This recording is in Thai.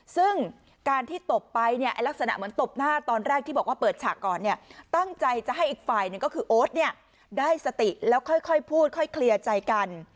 ซึ่งการที่ตบไปเนี่ยลักษณะเหมือนตบหน้าตอนแรกที่บอกว่าเปิดฉากก่อนเนี่ยตั้งใจจะให้อีกฝ่ายหนึ่งก็คือโอ๊ตเนี่ยได้สติแล้วค่อยพูดค่อยเคลียร์ใจกัน